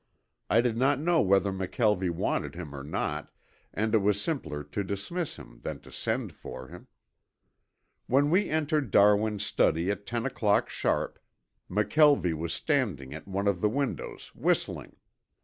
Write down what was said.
I did not know whether McKelvie wanted him or not, and it was simpler to dismiss him than to send for him. When we entered Darwin's study at ten o'clock sharp McKelvie was standing at one of the windows whistling.